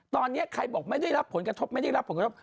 ตอนนี้ใครบอกไม่ได้รับผลกระทบไม่ได้รับผลกระทบ